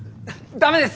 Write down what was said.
ダメです！